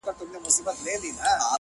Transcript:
د سپینتمان د سردونو د یسنا لوري ـ